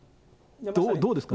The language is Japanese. どうですかね。